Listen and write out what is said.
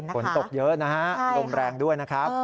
ฝนตกเยอะนะฮะลมแรงด้วยนะครับ